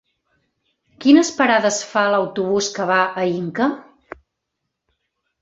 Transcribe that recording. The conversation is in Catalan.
Quines parades fa l'autobús que va a Inca?